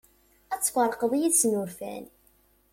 Ad tferqeḍ yid-sen urfan.